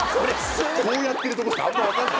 こうやってるとこしかあんま分かんない。